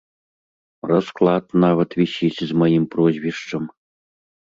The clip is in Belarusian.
Расклад нават вісіць з маім прозвішчам.